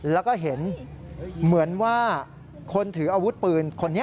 แล้วก็เห็นเหมือนว่าคนถืออาวุธปืนคนนี้